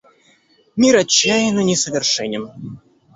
Мир отчаянно несовершенен.